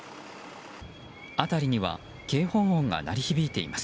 辺りには警報音が鳴り響いています。